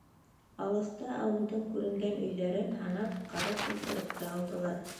Алыҫта ауылдың күренгән өйҙәрен һанап, ҡарап ултырып та алдылар.